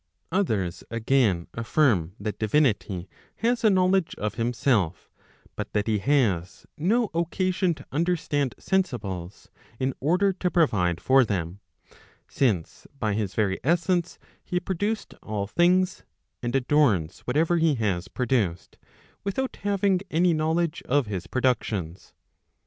405 Others again affirm that divinity has a knowledge of'himself, but that he has no occasion to understand sensibles in order to provide for them, since by his very essence lie produced all things, and adorns whatever ho has produced, without having any knowledge of his productions.